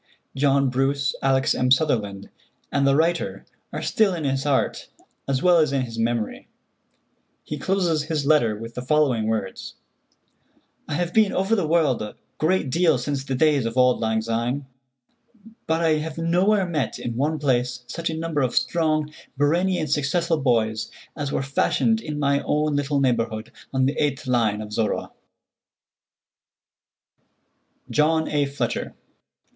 John Bruce, Alex. M. Sutherland, and the writer are still in his heart as well as in his memory. He closes his letter with the following words: "I have been over the world a great deal since the days of 'Auld Lang Syne,' but I have nowhere met in one place such a number of strong, brainy and successful boys as were fashioned in my own little neighborhood on the 8th line of Zorra." JOHN A. FLETCHER.